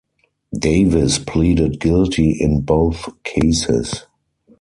Davis pleaded guilty in both cases.